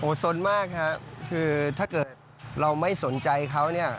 โอ้โฆสนมากครับคือถ้าเกิดเราไม่สนใจเขา